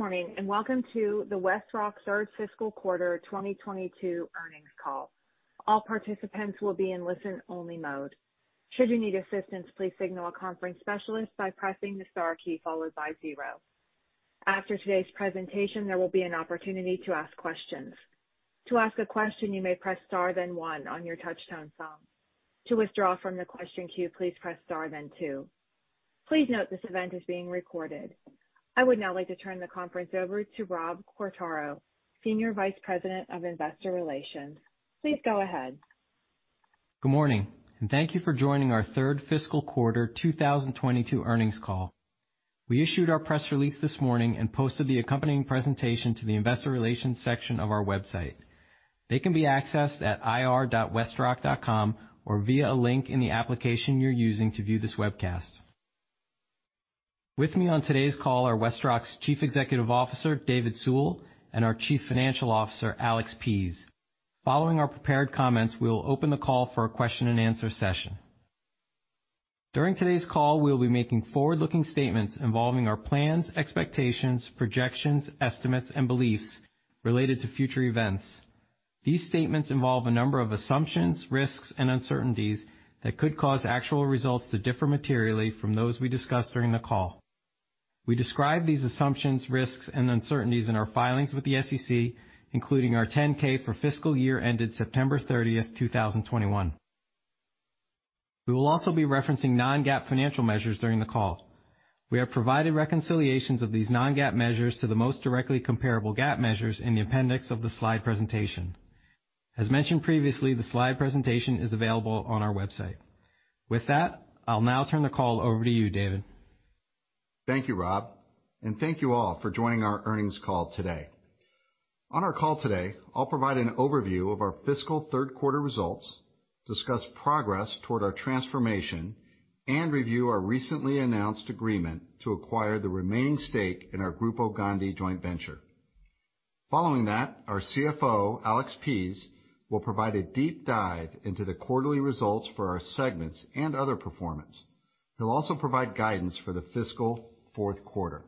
Good morning, and welcome to the WestRock third fiscal quarter 2022 earnings call. All participants will be in listen-only mode. Should you need assistance, please signal a conference specialist by pressing the star key followed by zero. After today's presentation, there will be an opportunity to ask questions. To ask a question, you may press star then one on your touchtone phone. To withdraw from the question queue, please press star then two. Please note this event is being recorded. I would now like to turn the conference over to Robert Quartaro, Senior Vice President of Investor Relations. Please go ahead. Good morning, and thank you for joining our third fiscal quarter 2022 earnings call. We issued our press release this morning and posted the accompanying presentation to the Investor Relations section of our website. They can be accessed at ir.westrock.com or via a link in the application you're using to view this webcast. With me on today's call are WestRock's Chief Executive Officer, David Sewell, and our Chief Financial Officer, Alex Pease. Following our prepared comments, we will open the call for a question-and-answer session. During today's call, we will be making forward-looking statements involving our plans, expectations, projections, estimates, and beliefs related to future events. These statements involve a number of assumptions, risks, and uncertainties that could cause actual results to differ materially from those we discuss during the call. We describe these assumptions, risks, and uncertainties in our filings with the SEC, including our 10-K for fiscal year ended September 30, 2021. We will also be referencing non-GAAP financial measures during the call. We have provided reconciliations of these non-GAAP measures to the most directly comparable GAAP measures in the appendix of the slide presentation. As mentioned previously, the slide presentation is available on our website. With that, I'll now turn the call over to you, David. Thank you, Rob, and thank you all for joining our earnings call today. On our call today, I'll provide an overview of our fiscal third quarter results, discuss progress toward our transformation, and review our recently announced agreement to acquire the remaining stake in our Grupo Gondi joint venture. Following that, our CFO, Alex Pease, will provide a deep dive into the quarterly results for our segments and other performance. He'll also provide guidance for the fiscal fourth quarter.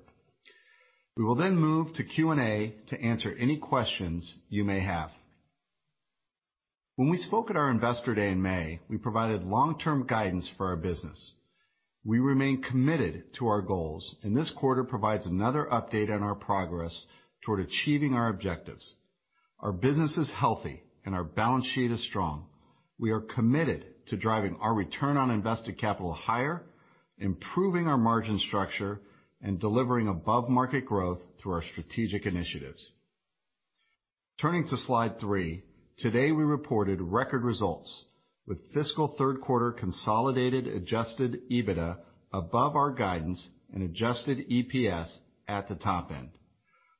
We will then move to Q&A to answer any questions you may have. When we spoke at our Investor Day in May, we provided long-term guidance for our business. We remain committed to our goals, and this quarter provides another update on our progress toward achieving our objectives. Our business is healthy, and our balance sheet is strong. We are committed to driving our return on invested capital higher, improving our margin structure, and delivering above-market growth through our strategic initiatives. Turning to slide three. Today, we reported record results with fiscal third quarter consolidated Adjusted EBITDA above our guidance and Adjusted EPS at the top end.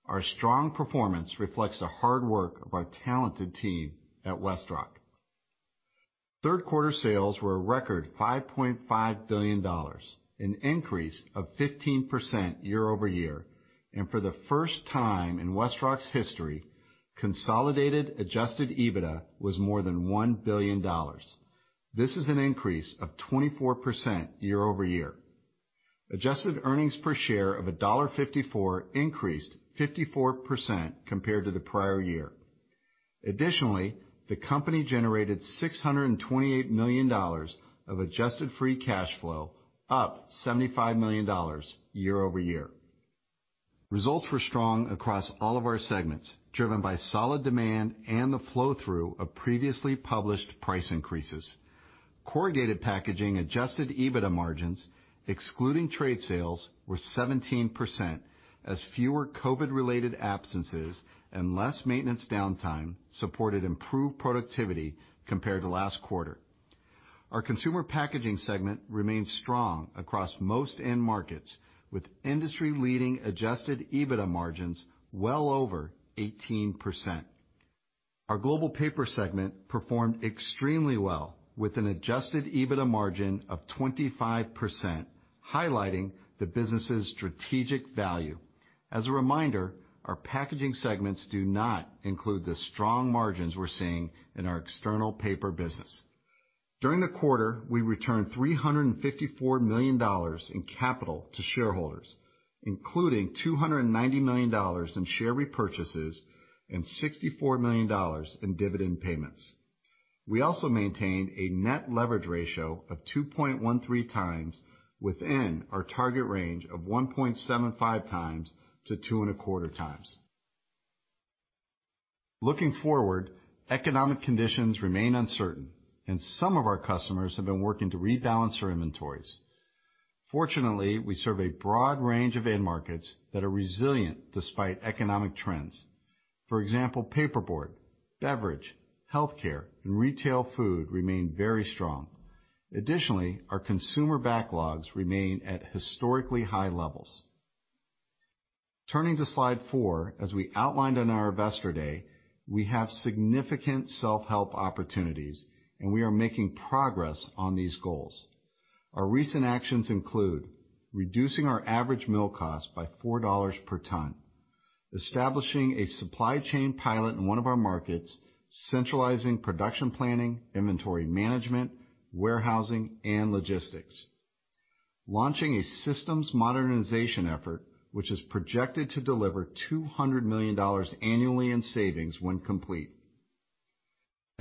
Our strong performance reflects the hard work of our talented team at WestRock. Third quarter sales were a record $5.5 billion, an increase of 15% year-over-year. For the first time in WestRock's history, consolidated Adjusted EBITDA was more than $1 billion. This is an increase of 24% year-over-year. Adjusted earnings per share of $1.54 increased 54% compared to the prior year. Additionally, the company generated $628 million of Adjusted free cash flow, up $75 million year-over-year. Results were strong across all of our segments, driven by solid demand and the flow-through of previously published price increases. Corrugated packaging Adjusted EBITDA margins, excluding trade sales, were 17% as fewer COVID-related absences and less maintenance downtime supported improved productivity compared to last quarter. Our Consumer Packaging segment remains strong across most end markets, with industry-leading Adjusted EBITDA margins well over 18%. Our Global Paper segment performed extremely well with an Adjusted EBITDA margin of 25%, highlighting the business's strategic value. As a reminder, our Packaging segments do not include the strong margins we're seeing in our external paper business. During the quarter, we returned $354 million in capital to shareholders, including $290 million in share repurchases and $64 million in dividend payments. We also maintained a net leverage ratio of 2.13x within our target range of 1.75x-2.25x. Looking forward, economic conditions remain uncertain, and some of our customers have been working to rebalance their inventories. Fortunately, we serve a broad range of end markets that are resilient despite economic trends. For example, paperboard, beverage, healthcare, and retail food remain very strong. Additionally, our consumer backlogs remain at historically high levels. Turning to slide four. As we outlined on our Investor Day, we have significant self-help opportunities, and we are making progress on these goals. Our recent actions include reducing our average mill cost by $4 per ton. Establishing a supply chain pilot in one of our markets, centralizing production planning, inventory management, warehousing, and logistics. Launching a systems modernization effort, which is projected to deliver $200 million annually in savings when complete.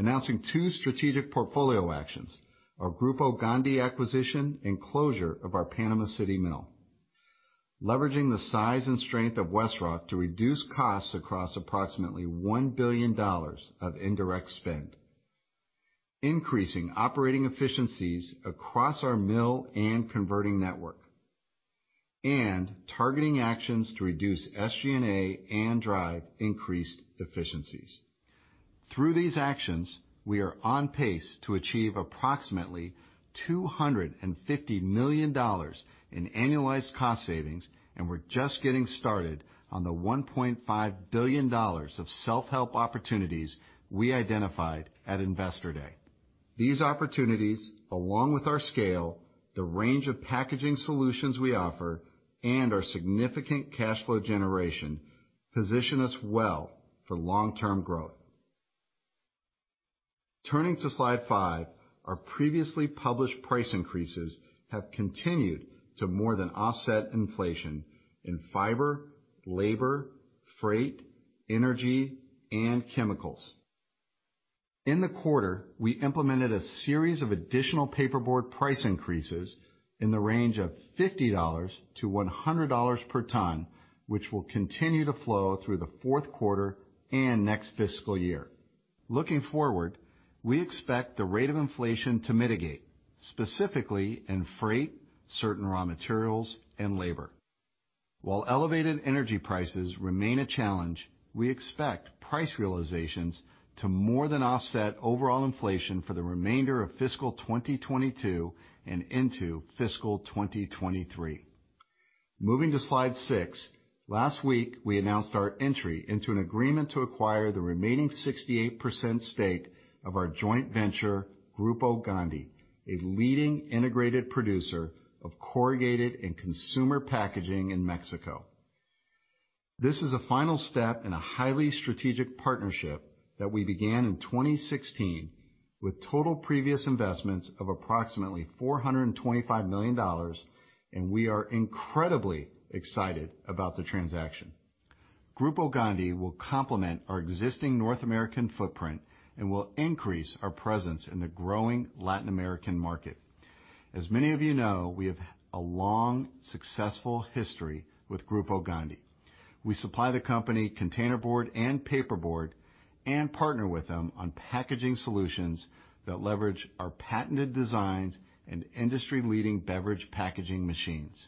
Announcing two strategic portfolio actions, our Grupo Gondi acquisition and closure of our Panama City mill. Leveraging the size and strength of WestRock to reduce costs across approximately $1 billion of indirect spend. Increasing operating efficiencies across our mill and converting network. Targeting actions to reduce SG&A and drive increased efficiencies. Through these actions, we are on pace to achieve approximately $250 million in annualized cost savings, and we're just getting started on the $1.5 billion of self-help opportunities we identified at Investor Day. These opportunities, along with our scale, the range of packaging solutions we offer, and our significant cash flow generation, position us well for long-term growth. Turning to slide five, our previously published price increases have continued to more than offset inflation in fiber, labor, freight, energy, and chemicals. In the quarter, we implemented a series of additional paperboard price increases in the range of $50-$100 per ton, which will continue to flow through the fourth quarter and next fiscal year. Looking forward, we expect the rate of inflation to mitigate, specifically in freight, certain raw materials, and labor. While elevated energy prices remain a challenge, we expect price realizations to more than offset overall inflation for the remainder of fiscal 2022 and into fiscal 2023. Moving to slide six, last week, we announced our entry into an agreement to acquire the remaining 68% stake of our joint venture, Grupo Gondi, a leading integrated producer of corrugated and consumer packaging in Mexico. This is a final step in a highly strategic partnership that we began in 2016 with total previous investments of approximately $425 million, and we are incredibly excited about the transaction. Grupo Gondi will complement our existing North American footprint and will increase our presence in the growing Latin American market. As many of you know, we have a long, successful history with Grupo Gondi. We supply the company containerboard and paperboard and partner with them on packaging solutions that leverage our patented designs and industry-leading beverage packaging machines.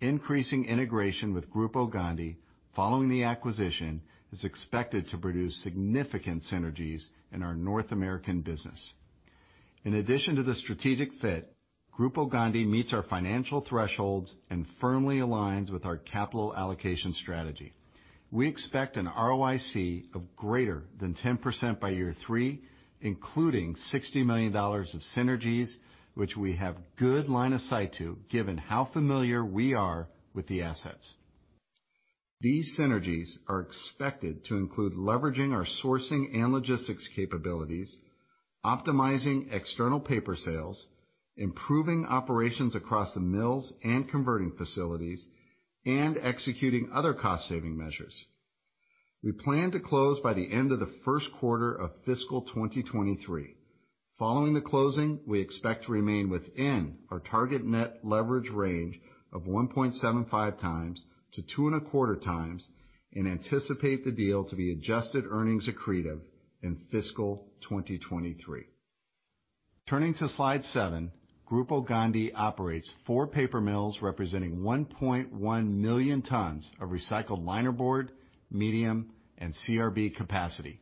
Increasing integration with Grupo Gondi following the acquisition is expected to produce significant synergies in our North American business. In addition to the strategic fit, Grupo Gondi meets our financial thresholds and firmly aligns with our capital allocation strategy. We expect an ROIC of greater than 10% by year three, including $60 million of synergies, which we have good line of sight to, given how familiar we are with the assets. These synergies are expected to include leveraging our sourcing and logistics capabilities, optimizing external paper sales, improving operations across the mills and converting facilities, and executing other cost-saving measures. We plan to close by the end of the first quarter of fiscal 2023. Following the closing, we expect to remain within our target net leverage range of 1.75x-2.25x, and anticipate the deal to be adjusted earnings accretive in fiscal 2023. Turning to slide seven, Grupo Gondi operates four paper mills representing 1.1 million tons of recycled liner board, medium, and CRB capacity.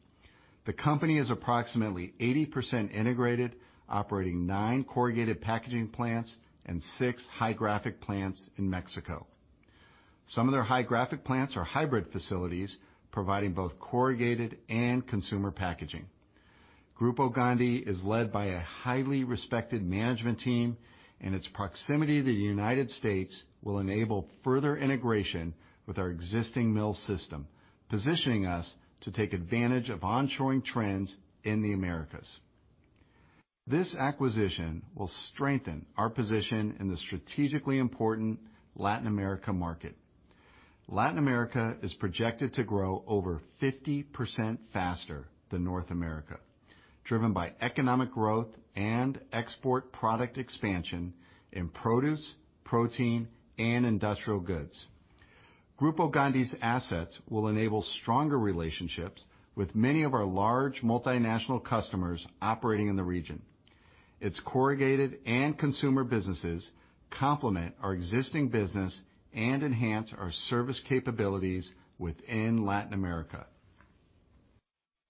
The company is approximately 80% integrated, operating nine corrugated packaging plants and six high graphic plants in Mexico. Some of their high graphic plants are hybrid facilities providing both corrugated and consumer packaging. Grupo Gondi is led by a highly respected management team, and its proximity to the United States will enable further integration with our existing mill system, positioning us to take advantage of onshoring trends in the Americas. This acquisition will strengthen our position in the strategically important Latin America market. Latin America is projected to grow over 50% faster than North America, driven by economic growth and export product expansion in produce, protein, and industrial goods. Grupo Gondi's assets will enable stronger relationships with many of our large multinational customers operating in the region. Its corrugated and consumer businesses complement our existing business and enhance our service capabilities within Latin America.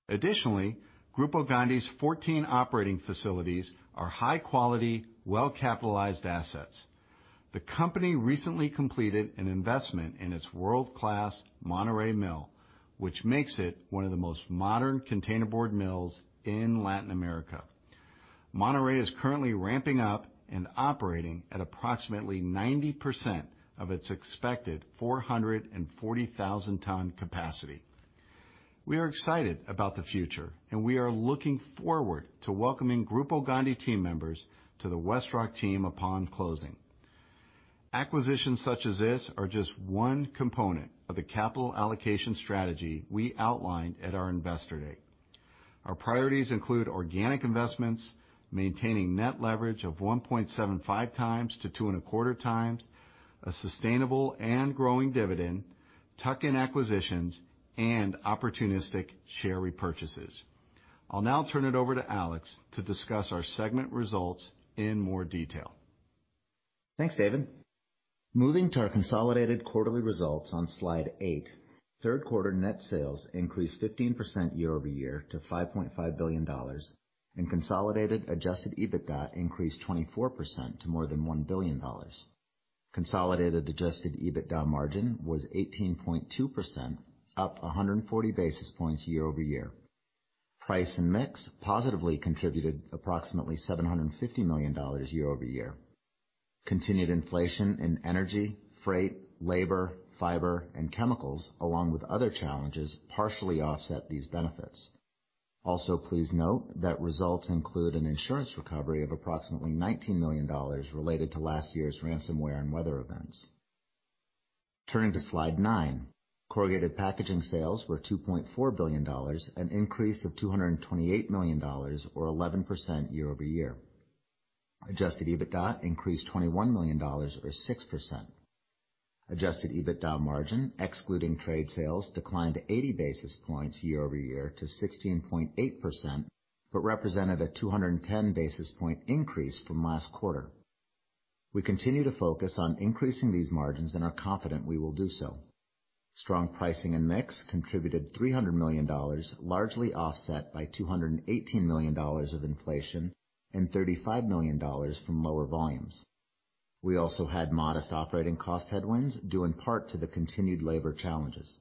Additionally, Grupo Gondi's 14 operating facilities are high-quality, well-capitalized assets. The company recently completed an investment in its world-class Monterrey mill, which makes it one of the most modern containerboard mills in Latin America. Monterrey is currently ramping up and operating at approximately 90% of its expected 440,000 ton capacity. We are excited about the future, and we are looking forward to welcoming Grupo Gondi team members to the WestRock team upon closing. Acquisitions such as this are just one component of the capital allocation strategy we outlined at our Investor Day. Our priorities include organic investments, maintaining net leverage of 1.75x-2.25x, a sustainable and growing dividend, tuck-in acquisitions, and opportunistic share repurchases. I'll now turn it over to Alex to discuss our segment results in more detail. Thanks, David. Moving to our consolidated quarterly results on slide eight, third quarter net sales increased 15% year-over-year to $5.5 billion, and consolidated Adjusted EBITDA increased 24% to more than $1 billion. Consolidated Adjusted EBITDA margin was 18.2%, up 140 basis points year-over-year. Price and mix positively contributed approximately $750 million year-over-year. Continued inflation in energy, freight, labor, fiber, and chemicals, along with other challenges, partially offset these benefits. Also, please note that results include an insurance recovery of approximately $19 million related to last year's ransomware and weather events. Turning to slide nine. Corrugated packaging sales were $2.4 billion, an increase of $228 million or 11% year-over-year. Adjusted EBITDA increased $21 million or 6%. Adjusted EBITDA margin, excluding trade sales, declined 80 basis points year-over-year to 16.8%, but represented a 210 basis point increase from last quarter. We continue to focus on increasing these margins and are confident we will do so. Strong pricing and mix contributed $300 million, largely offset by $218 million of inflation and $35 million from lower volumes. We also had modest operating cost headwinds, due in part to the continued labor challenges.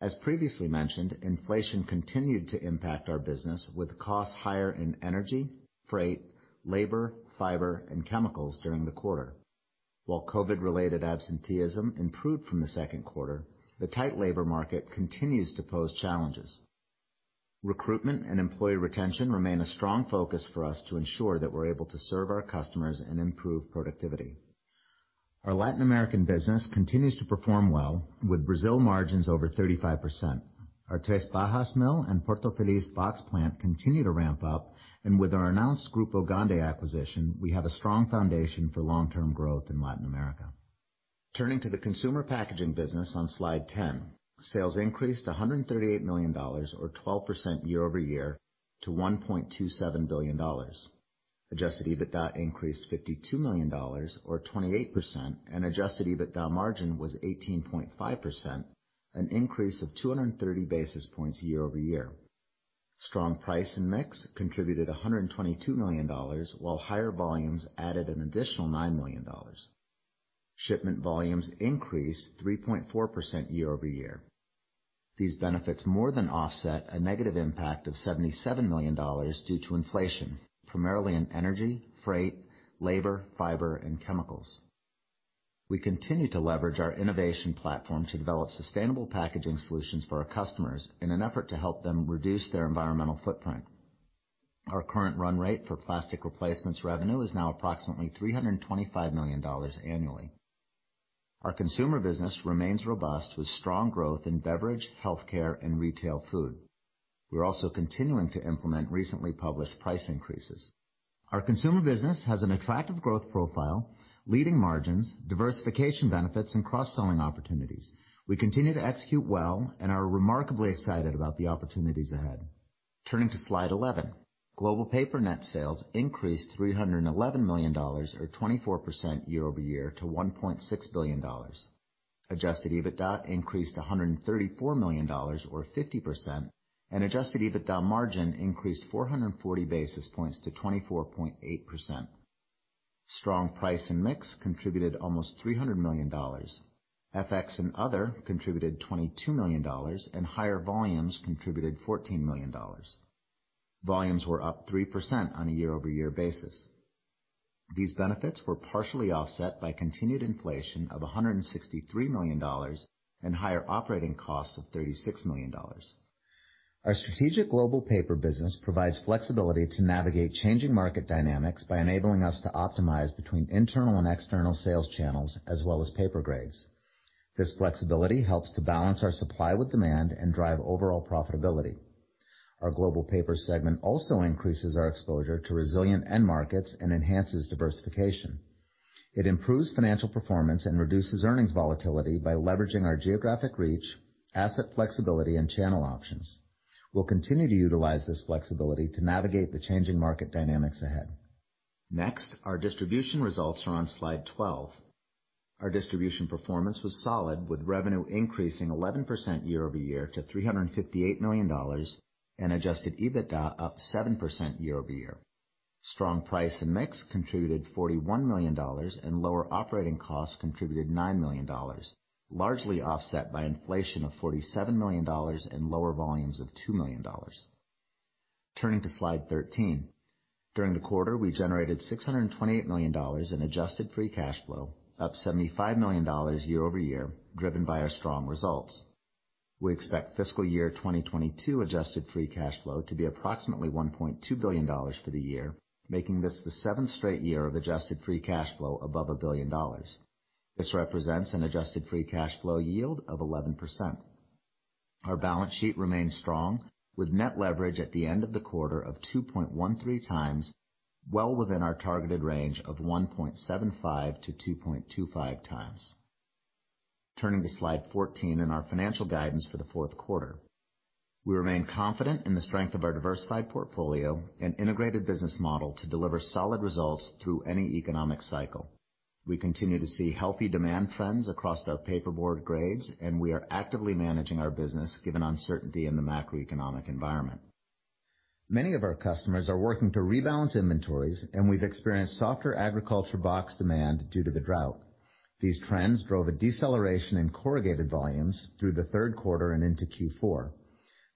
As previously mentioned, inflation continued to impact our business, with costs higher in energy, freight, labor, fiber, and chemicals during the quarter. While COVID-related absenteeism improved from the second quarter, the tight labor market continues to pose challenges. Recruitment and employee retention remain a strong focus for us to ensure that we're able to serve our customers and improve productivity. Our Latin American business continues to perform well, with Brazil margins over 35%. Our Três Barras mill and Porto Feliz box plant continue to ramp up, and with our announced Grupo Gondi acquisition, we have a strong foundation for long-term growth in Latin America. Turning to the Consumer Packaging business on slide 10. Sales increased $138 million or 12% year-over-year to $1.27 billion. Adjusted EBITDA increased $52 million or 28%, and Adjusted EBITDA margin was 18.5%, an increase of 230 basis points year-over-year. Strong price and mix contributed $122 million, while higher volumes added an additional $9 million. Shipment volumes increased 3.4% year-over-year. These benefits more than offset a negative impact of $77 million due to inflation, primarily in energy, freight, labor, fiber, and chemicals. We continue to leverage our innovation platform to develop sustainable packaging solutions for our customers in an effort to help them reduce their environmental footprint. Our current run rate for plastic replacements revenue is now approximately $325 million annually. Our consumer business remains robust, with strong growth in beverage, healthcare, and retail food. We're also continuing to implement recently published price increases. Our consumer business has an attractive growth profile, leading margins, diversification benefits, and cross-selling opportunities. We continue to execute well and are remarkably excited about the opportunities ahead. Turning to slide 11. Global Paper net sales increased $311 million or 24% year-over-year to $1.6 billion. Adjusted EBITDA increased $134 million or 50%, and Adjusted EBITDA margin increased 440 basis points to 24.8%. Strong price and mix contributed almost $300 million. FX and other contributed $22 million, and higher volumes contributed $14 million. Volumes were up 3% on a year-over-year basis. These benefits were partially offset by continued inflation of $163 million and higher operating costs of $36 million. Our strategic Global Paper business provides flexibility to navigate changing market dynamics by enabling us to optimize between internal and external sales channels as well as paper grades. This flexibility helps to balance our supply with demand and drive overall profitability. Our Global Paper segment also increases our exposure to resilient end markets and enhances diversification. It improves financial performance and reduces earnings volatility by leveraging our geographic reach, asset flexibility, and channel options. We'll continue to utilize this flexibility to navigate the changing market dynamics ahead. Next, our distribution results are on slide 12. Our distribution performance was solid, with revenue increasing 11% year-over-year to $358 million and Adjusted EBITDA up 7% year-over-year. Strong price and mix contributed $41 million and lower operating costs contributed $9 million. Largely offset by inflation of $47 million and lower volumes of $2 million. Turning to slide 13. During the quarter, we generated $628 million in adjusted free cash flow, up $75 million year-over-year, driven by our strong results. We expect fiscal year 2022 Adjusted free cash flow to be approximately $1.2 billion for the year, making this the 7th straight year of Adjusted free cash flow above $1 billion. This represents an Adjusted free cash flow yield of 11%. Our balance sheet remains strong, with net leverage at the end of the quarter of 2.13x, well within our targeted range of 1.75x-2.25x. Turning to slide 14 and our financial guidance for the fourth quarter. We remain confident in the strength of our diversified portfolio and integrated business model to deliver solid results through any economic cycle. We continue to see healthy demand trends across our paperboard grades, and we are actively managing our business given uncertainty in the macroeconomic environment. Many of our customers are working to rebalance inventories, and we've experienced softer agriculture box demand due to the drought. These trends drove a deceleration in corrugated volumes through the third quarter and into Q4.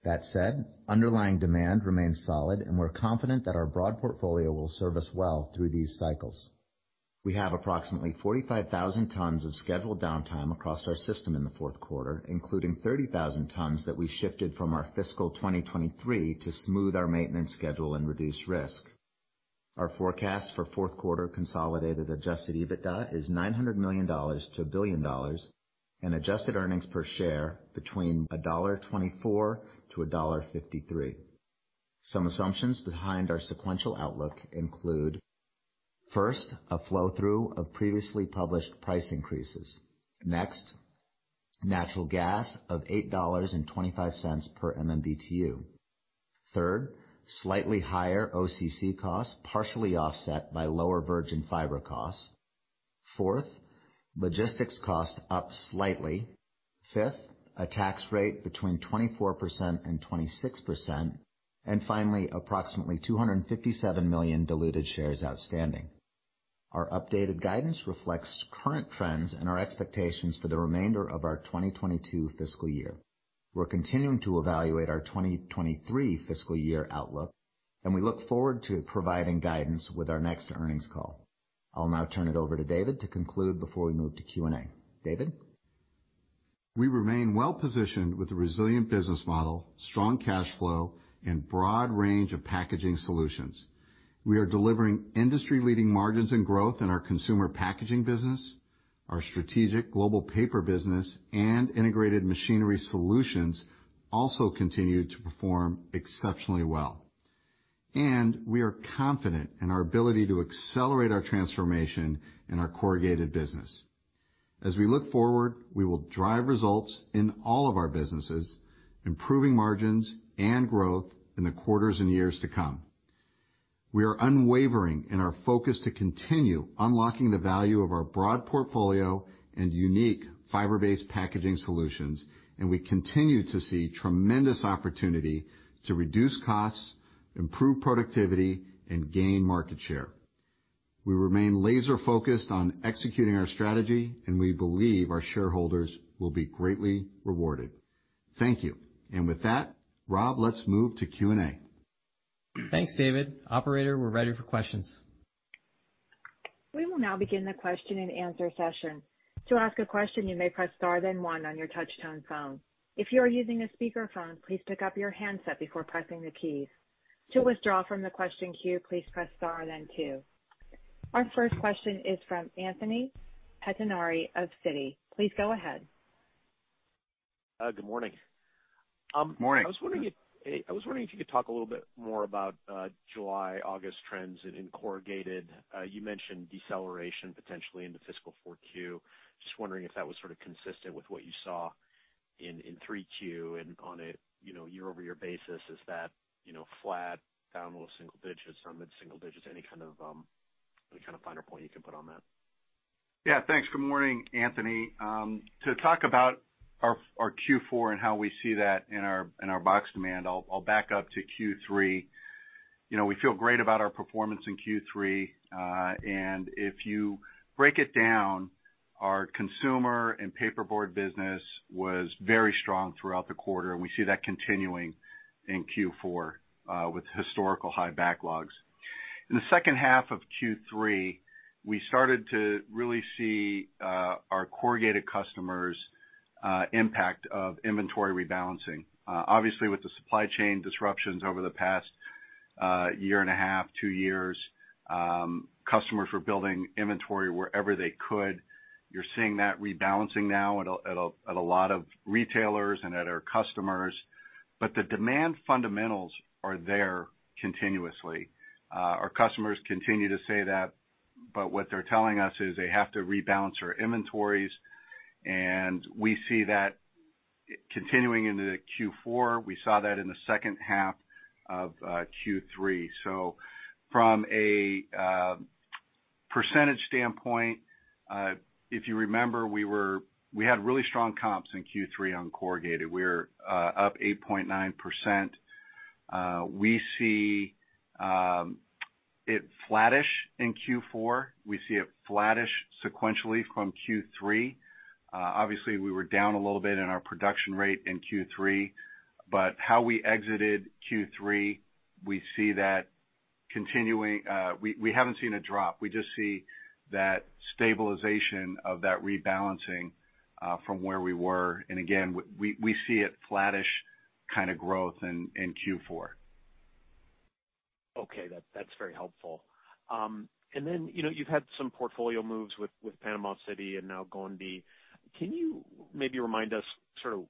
That said, underlying demand remains solid, and we're confident that our broad portfolio will serve us well through these cycles. We have approximately 45,000 tons of scheduled downtime across our system in the fourth quarter, including 30,000 tons that we shifted from our fiscal 2023 to smooth our maintenance schedule and reduce risk. Our forecast for fourth quarter consolidated Adjusted EBITDA is $900 million-$1 billion, and Adjusted earnings per share between $1.24-$1.53. Some assumptions behind our sequential outlook include, first, a flow-through of previously published price increases. Next, natural gas of $8.25 per MMBtu. Third, slightly higher OCC costs, partially offset by lower virgin fiber costs. Fourth, logistics cost up slightly. Fifth, a tax rate between 24% and 26%. Finally, approximately 257 million diluted shares outstanding. Our updated guidance reflects current trends and our expectations for the remainder of our 2022 fiscal year. We're continuing to evaluate our 2023 fiscal year outlook, and we look forward to providing guidance with our next earnings call. I'll now turn it over to David to conclude before we move to Q&A. David? We remain well positioned with a Resilient Business model, strong cash flow, and broad range of packaging solutions. We are delivering industry-leading margins and growth in our consumer packaging business. Our strategic Global Paper business and integrated machinery solutions also continue to perform exceptionally well. We are confident in our ability to accelerate our transformation in our corrugated business. As we look forward, we will drive results in all of our businesses, improving margins and growth in the quarters and years to come. We are unwavering in our focus to continue unlocking the value of our broad portfolio and unique fiber-based packaging solutions, and we continue to see tremendous opportunity to reduce costs, improve productivity, and gain market share. We remain laser-focused on executing our strategy, and we believe our shareholders will be greatly rewarded. Thank you. With that, Rob, let's move to Q&A. Thanks, David. Operator, we're ready for questions. We will now begin the question and answer session. To ask a question, you may press star then one on your touch tone phone. If you are using a speakerphone, please pick up your handset before pressing the keys. To withdraw from the question queue, please press star then two. Our first question is from Anthony Pettinari of Citi. Please go ahead. Good morning. Morning. I was wondering if you could talk a little bit more about July, August trends in corrugated. You mentioned deceleration potentially into fiscal 4Q. Just wondering if that was sort of consistent with what you saw in 3Q and on a year-over-year basis. Is that flat, down low-single digits, some mid-single digits? Any kind of finer point you can put on that? Yeah. Thanks. Good morning, Anthony. To talk about our Q4 and how we see that in our box demand, I'll back up to Q3. You know, we feel great about our performance in Q3. If you break it down, our consumer and paperboard business was very strong throughout the quarter, and we see that continuing in Q4 with historically high backlogs. In the second half of Q3, we started to really see our corrugated customers' impact of inventory rebalancing. Obviously with the supply chain disruptions over the past year and a half, two years, customers were building inventory wherever they could. You're seeing that rebalancing now at a lot of retailers and at our customers. The demand fundamentals are there continuously. Our customers continue to say that, but what they're telling us is they have to rebalance their inventories, and we see that continuing into Q4. We saw that in the second half of Q3. From a percentage standpoint, if you remember, we had really strong comps in Q3 on corrugated. We're up 8.9%. We see it flattish in Q4. We see it flattish sequentially from Q3. Obviously, we were down a little bit in our production rate in Q3, but how we exited Q3, we see that continuing. We haven't seen a drop. We just see that stabilization of that rebalancing from where we were. Again, we see it flattish kind of growth in Q4. Okay. That's very helpful. You know, you've had some portfolio moves with Panama City and now Gondi. Can you maybe remind us sort of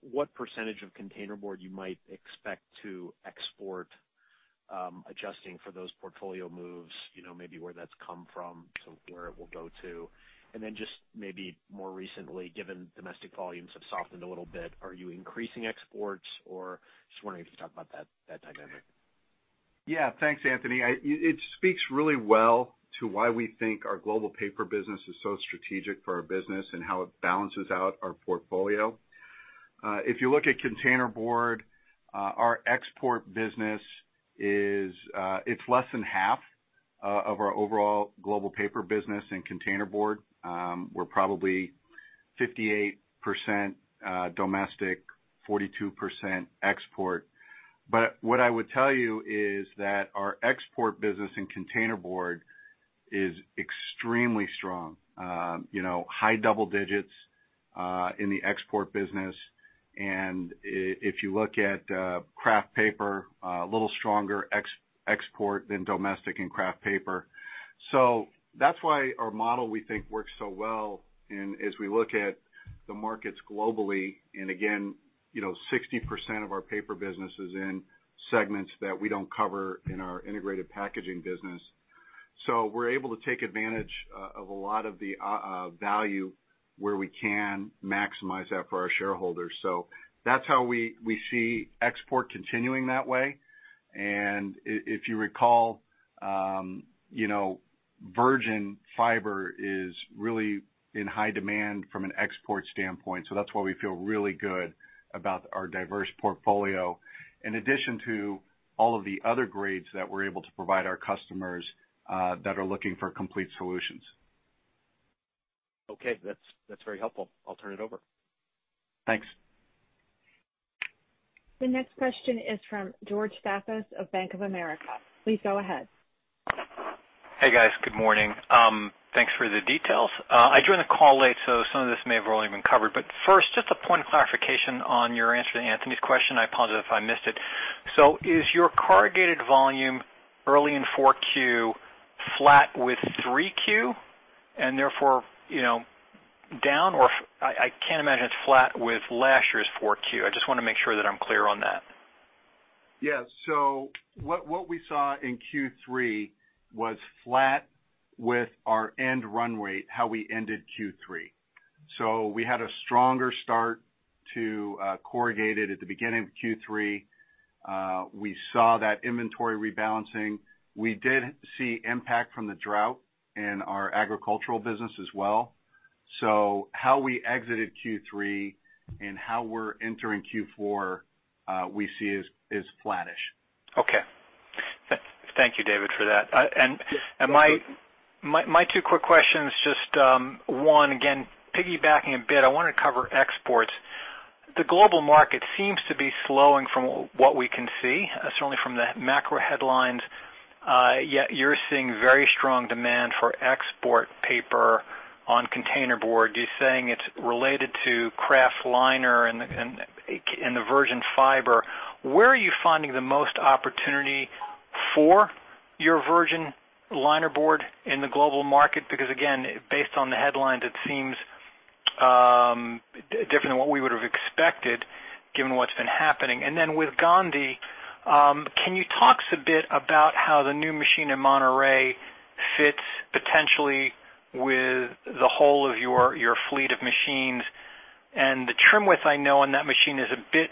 what percentage of containerboard you might expect to export, adjusting for those portfolio moves, you know, maybe where that's come from to where it will go to? Just maybe more recently, given domestic volumes have softened a little bit, are you increasing exports or just wondering if you could talk about that dynamic? Yeah. Thanks, Anthony. It speaks really well to why we think our Global Paper business is so strategic for our business and how it balances out our portfolio. If you look at containerboard, our export business is less than half of our overall Global Paper business in containerboard. We're probably 58% domestic, 42% export. What I would tell you is that our export business in containerboard is extremely strong. You know, high-double digits in the export business. If you look at Kraft Paper, a little stronger export than domestic in Kraft Paper. That's why our model, we think, works so well as we look at the markets globally, and again, you know, 60% of our Paper business is in segments that we don't cover in our Integrated Packaging business. We're able to take advantage of a lot of the value where we can maximize that for our shareholders. That's how we see export continuing that way. If you recall, you know, virgin fiber is really in high demand from an export standpoint, so that's why we feel really good about our diverse portfolio, in addition to all of the other grades that we're able to provide our customers that are looking for complete solutions. Okay. That's very helpful. I'll turn it over. Thanks. The next question is from George Staphos of Bank of America. Please go ahead. Hey, guys. Good morning. Thanks for the details. I joined the call late, so some of this may have already been covered. First, just a point of clarification on your answer to Anthony's question. I apologize if I missed it. Is your corrugated volume early in 4Q flat with 3Q and therefore, you know, down? I can't imagine it's flat with last year's 4Q. I just wanna make sure that I'm clear on that. What we saw in Q3 was flat with our end run rate, how we ended Q3. We had a stronger start to corrugated at the beginning of Q3. We saw that inventory rebalancing. We did see impact from the drought in our agricultural business as well. How we exited Q3 and how we're entering Q4, we see is flattish. Okay. Thank you, David, for that. My two quick questions, just one, again, piggybacking a bit, I wanna cover exports. The global market seems to be slowing from what we can see, certainly from the macro headlines. Yet you're seeing very strong demand for export paper on containerboard. You're saying it's related to Kraft liner and the virgin fiber. Where are you finding the most opportunity for your virgin linerboard in the global market? Because again, based on the headlines, it seems different than what we would have expected given what's been happening. Then with Gondi, can you talk to us a bit about how the new machine in Monterrey fits potentially with the whole of your fleet of machines? The trim width I know on that machine is a bit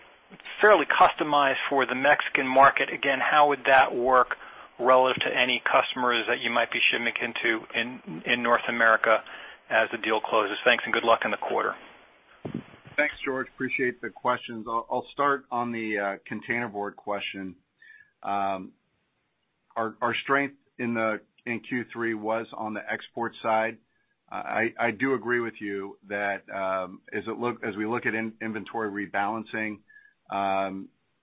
fairly customized for the Mexican market. Again, how would that work relative to any customers that you might be shipping into in North America as the deal closes? Thanks, and good luck in the quarter. Thanks, George. Appreciate the questions. I'll start on the containerboard question. Our strength in Q3 was on the export side. I do agree with you that as we look at inventory rebalancing,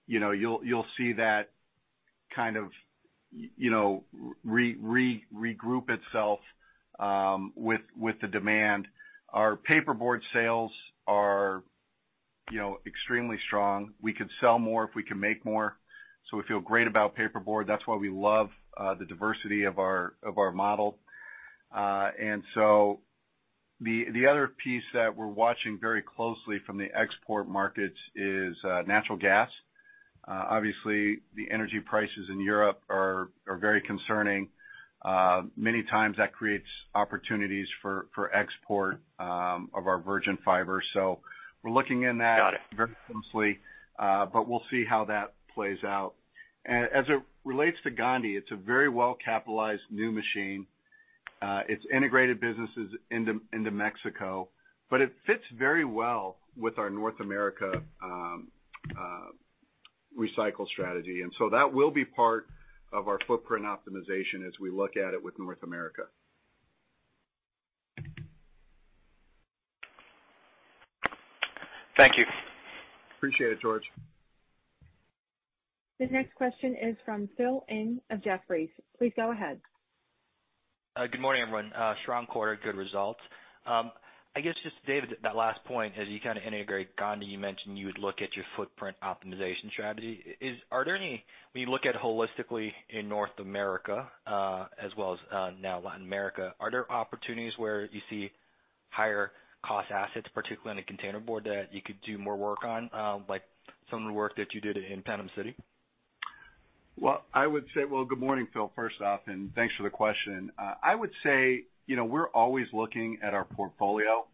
you know, you'll see that kind of you know, regroup itself with the demand. Our paperboard sales are, you know, extremely strong. We could sell more if we can make more. So we feel great about paperboard. That's why we love the diversity of our model. The other piece that we're watching very closely from the export markets is natural gas. Obviously, the energy prices in Europe are very concerning. Many times that creates opportunities for export of our virgin fiber. So we're looking into that. Got it. Very closely, but we'll see how that plays out. As it relates to Gondi, it's a very well-capitalized new machine. It's integrated businesses into Mexico, but it fits very well with our North America recycle strategy. That will be part of our footprint optimization as we look at it with North America. Thank you. Appreciate it, George. The next question is from Philip Ng of Jefferies. Please go ahead. Good morning, everyone. Strong quarter, good results. I guess just David, that last point, as you kind of integrate Gondi, you mentioned you would look at your footprint optimization strategy. When you look at it holistically in North America, as well as now Latin America, are there opportunities where you see higher cost assets, particularly in the containerboard that you could do more work on, like some of the work that you did in Panama City? Good morning, Philip, first off, and thanks for the question. I would say, you know, we're always looking at our portfolio,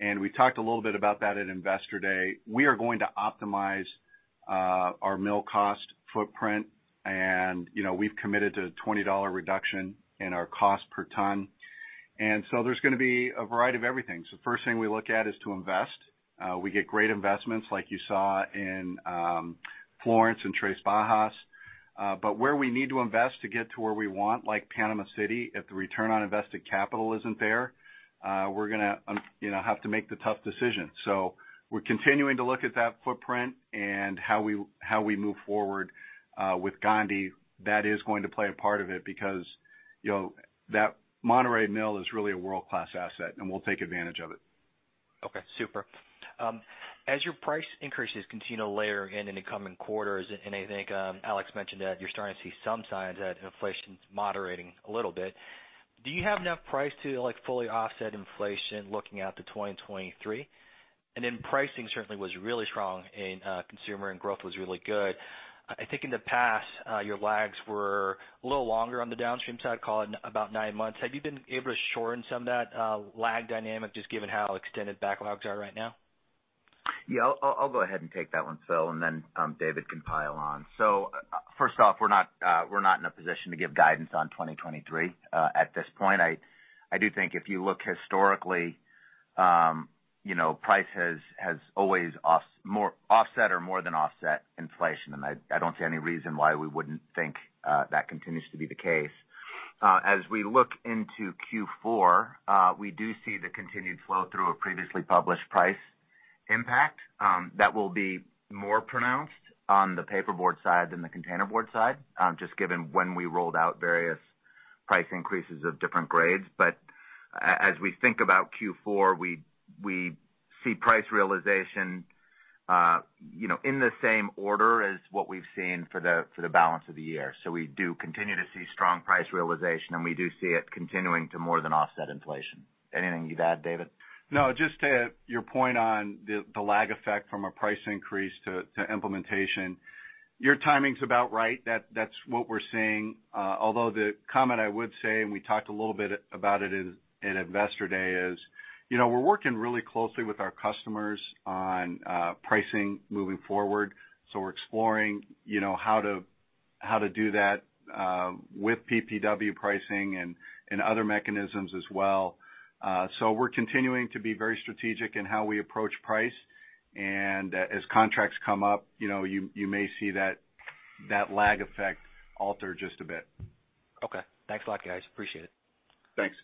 and we talked a little bit about that at Investor Day. We are going to optimize our mill cost footprint and, you know, we've committed to $20 reduction in our cost per ton. There's gonna be a variety of everything. First thing we look at is to invest. We get great investments like you saw in Florence and Três Barras. But where we need to invest to get to where we want, like Panama City, if the return on invested capital isn't there, we're gonna, you know, have to make the tough decision. We're continuing to look at that footprint and how we move forward with Gondi. That is going to play a part of it because, you know, that Monterrey mill is really a world-class asset, and we'll take advantage of it. Okay, super. As your price increases continue to layer in the coming quarters, and I think, Alex mentioned that you're starting to see some signs that inflation's moderating a little bit. Do you have enough price to, like, fully offset inflation looking out to 2023? Pricing certainly was really strong in, consumer and growth was really good. I think in the past, your lags were a little longer on the downstream side, call it about nine months. Have you been able to shorten some of that, lag dynamic just given how extended backlogs are right now? Yeah. I'll go ahead and take that one, Philip, and then David can pile on. First off, we're not in a position to give guidance on 2023 at this point. I do think if you look historically, you know, price has always offset or more than offset inflation, and I don't see any reason why we wouldn't think that continues to be the case. As we look into Q4, we do see the continued flow through of previously published price impact that will be more pronounced on the paperboard side than the containerboard side, just given when we rolled out various price increases of different grades. As we think about Q4, we see price realization, you know, in the same order as what we've seen for the balance of the year. We do continue to see strong price realization, and we do see it continuing to more than offset inflation. Anything to add, David? No, just to your point on the lag effect from a price increase to implementation, your timing's about right. That's what we're seeing. Although the comment I would say, and we talked a little bit about it in Investor Day, is, you know, we're working really closely with our customers on pricing moving forward, so we're exploring, you know, how to do that with PPW pricing and other mechanisms as well. So we're continuing to be very strategic in how we approach price, and as contracts come up, you know, you may see that lag effect alter just a bit. Okay. Thanks a lot, guys. Appreciate it. Thanks.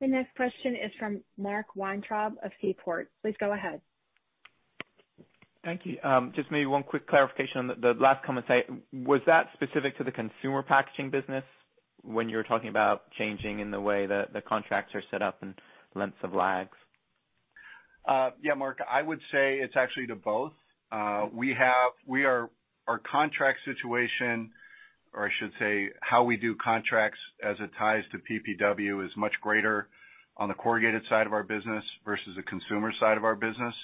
The next question is from Mark Weintraub of Seaport. Please go ahead. Thank you. Just maybe one quick clarification on the last comment. Was that specific to the consumer packaging business when you were talking about changing in the way the contracts are set up and lengths of lags? Yeah, Mark. I would say it's actually to both. Our contract situation, or I should say, how we do contracts as it ties to PPW is much greater on the corrugated side of our business versus the consumer side of our business.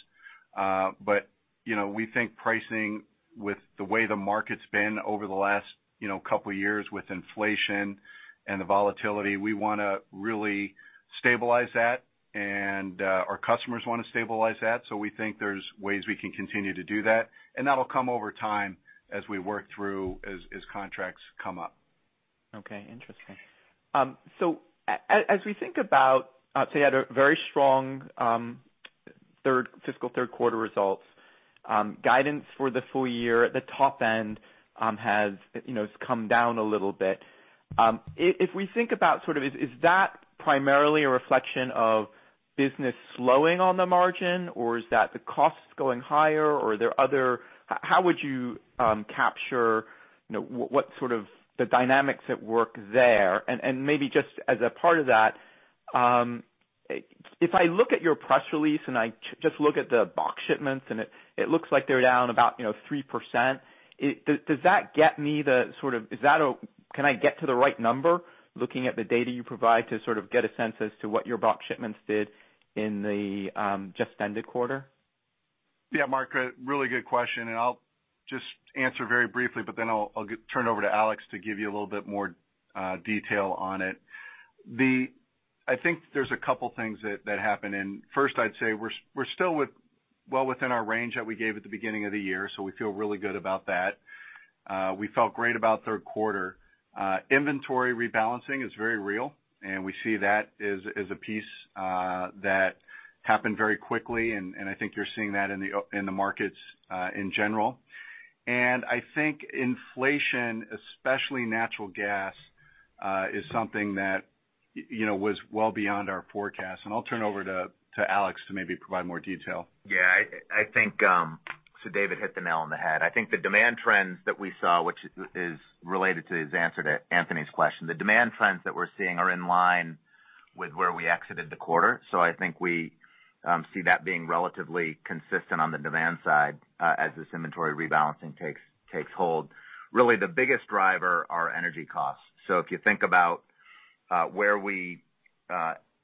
But, you know, we think pricing with the way the market's been over the last, you know, couple years with inflation and the volatility, we wanna really stabilize that, and our customers wanna stabilize that. We think there's ways we can continue to do that, and that'll come over time as we work through, as contracts come up. Okay. Interesting. As we think about, so you had a very strong fiscal third quarter results. Guidance for the full year at the top end has, you know, come down a little bit. If we think about sort of, is that primarily a reflection of business slowing on the margin, or is that the costs going higher or are there other. How would you capture, you know, what sort of the dynamics at work there? Maybe just as a part of that, if I look at your press release and I just look at the box shipments and it looks like they're down about, you know, 3%, does that get me, can I get to the right number looking at the data you provide to sort of get a sense as to what your box shipments did in the just ended quarter? Yeah, Mark, a really good question, and I'll just answer very briefly, but then I'll turn it over to Alex to give you a little bit more detail on it. I think there's a couple things that happened. First, I'd say we're still well within our range that we gave at the beginning of the year, so we feel really good about that. We felt great about third quarter. Inventory rebalancing is very real, and we see that as a piece that happened very quickly, and I think you're seeing that in the markets in general. I think inflation, especially natural gas, is something that you know was well beyond our forecast. I'll turn over to Alex to maybe provide more detail. I think David hit the nail on the head. I think the demand trends that we saw, which is related to his answer to Anthony's question, the demand trends that we're seeing are in line with where we exited the quarter. I think we see that being relatively consistent on the demand side, as this inventory rebalancing takes hold. Really the biggest driver are energy costs. If you think about, where we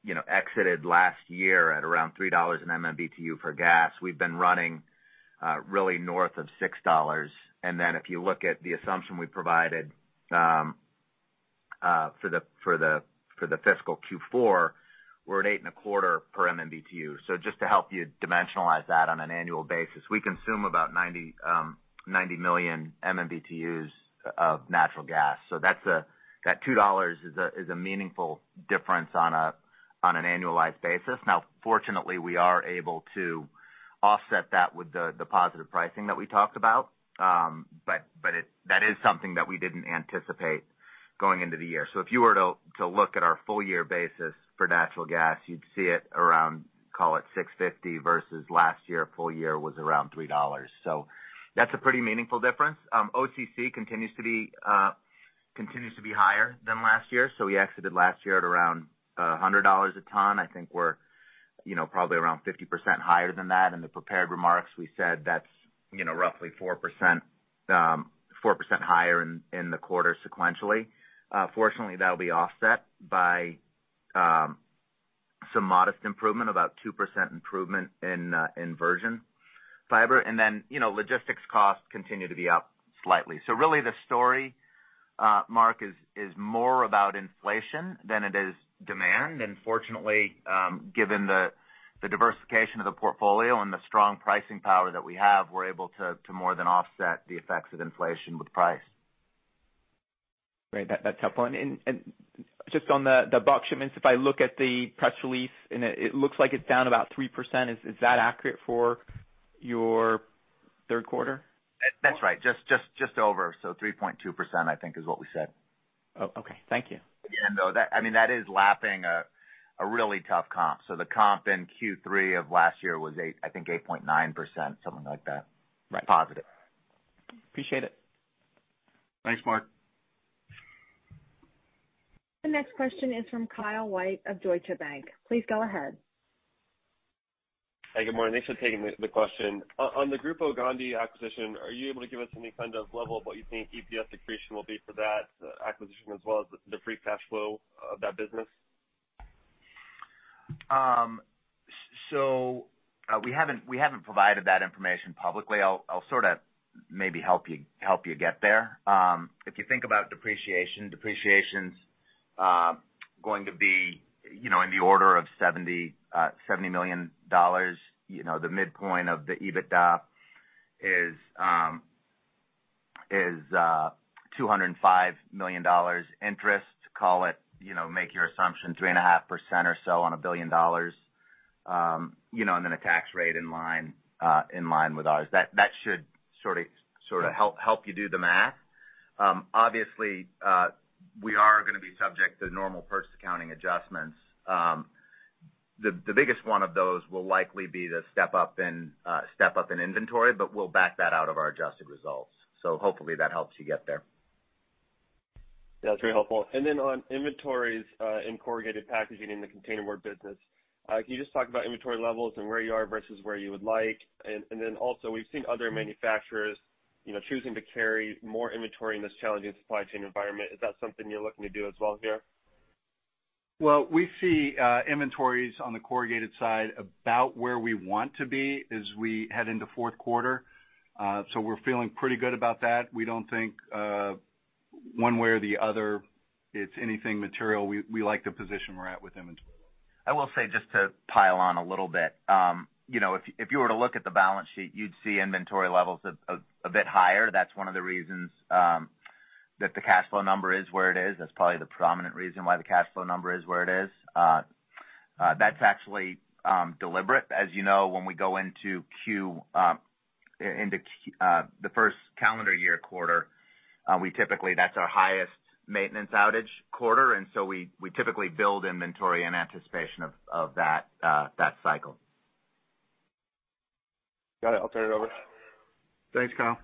you know exited last year at around $3 per MMBtu for gas, we've been running really north of $6. Then if you look at the assumption we provided, for the fiscal Q4, we're at $8.25 per MMBtu. Just to help you dimensionalize that on an annual basis, we consume about 90 million MMBTUs of natural gas. That's a $2 is a meaningful difference on an annualized basis. Now, fortunately, we are able to offset that with the positive pricing that we talked about. But it is something that we didn't anticipate going into the year. If you were to look at our full year basis for natural gas, you'd see it around, call it $6.50 versus last year, full year was around $3. That's a pretty meaningful difference. OCC continues to be higher than last year. We exited last year at around $100 a ton. I think we're, you know, probably around 50% higher than that. In the prepared remarks, we said that's, you know, roughly 4% higher in the quarter sequentially. Fortunately, that'll be offset by some modest improvement, about 2% improvement in virgin fiber. You know, logistics costs continue to be up slightly. Really the story, Mark, is more about inflation than it is demand. Fortunately, given the diversification of the portfolio and the strong pricing power that we have, we're able to more than offset the effects of inflation with price. Right. That's helpful. Just on the box shipments, if I look at the press release and it looks like it's down about 3%. Is that accurate for your third quarter? That's right. Just over. 3.2%, I think, is what we said. Oh, okay. Thank you. Again, though, I mean, that is lapping a really tough comp. The comp in Q3 of last year was, I think, 8.9%, something like that. Right. Positive. Appreciate it. Thanks, Mark. The next question is from Kyle White of Deutsche Bank. Please go ahead. Hi, good morning. Thanks for taking the question. On the Grupo Gondi acquisition, are you able to give us any kind of level of what you think EPS accretion will be for that acquisition as well as the free cash flow of that business? We haven't provided that information publicly. I'll sort of maybe help you get there. If you think about depreciation's going to be, you know, in the order of $70 million. You know, the midpoint of the EBITDA is $205 million. Interest, call it, you know, make your assumption 3.5% or so on $1 billion, you know, and then a tax rate in line with ours. That should sort of help you do the math. Obviously, we are gonna be subject to normal purchase accounting adjustments. The biggest one of those will likely be the step up in inventory, but we'll back that out of our adjusted results. Hopefully that helps you get there. Yeah. That's very helpful. On inventories, in corrugated packaging in the containerboard business, can you just talk about inventory levels and where you are versus where you would like? We've seen other manufacturers, you know, choosing to carry more inventory in this challenging supply chain environment. Is that something you're looking to do as well here? Well, we see inventories on the corrugated side about where we want to be as we head into fourth quarter. We're feeling pretty good about that. We don't think one way or the other it's anything material. We like the position we're at with inventory. I will say, just to pile on a little bit, you know, if you were to look at the balance sheet, you'd see inventory levels a bit higher. That's one of the reasons that the cash flow number is where it is. That's probably the predominant reason why the cash flow number is where it is. That's actually deliberate. As you know, when we go into the first calendar year quarter, we typically, that's our highest maintenance outage quarter, and so we typically build inventory in anticipation of that cycle. Got it. I'll turn it over. Thanks, Kyle.